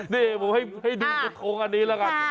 นี่ผมให้ดูกระทงอันนี้แล้วกัน